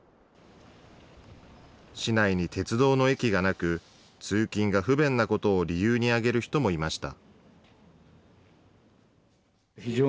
市内に鉄道の駅がなく、通勤が不便なことを理由に挙げる人もいました。